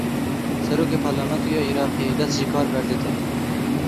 Serokê Parlamentoya Iraqê dest ji kar berdide.